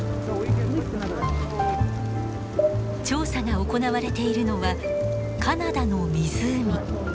調査が行われているのはカナダの湖